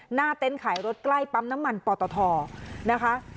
เต็นต์ขายรถใกล้ปั๊มน้ำมันปอตทนะคะ